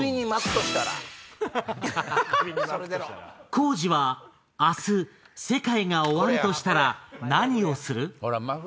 光司は明日世界が終わるとしたら何をする？